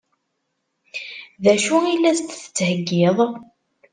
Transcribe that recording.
D acu i la s-d-tettheggiḍ?